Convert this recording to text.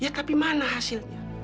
ya tapi mana hasilnya